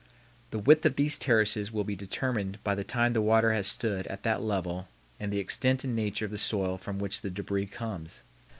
The width of these terraces will be determined by the time the water has stood at that level and the extent and nature of the soil from which the débris comes.